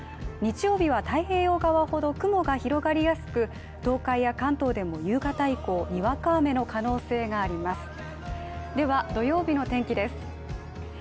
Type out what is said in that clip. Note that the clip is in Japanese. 日曜日は太平洋側ほど雲が広がりやすく東海や関東でも夕方以降にわか雨の可能性があります。